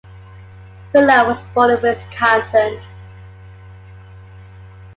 Filo was born in Wisconsin.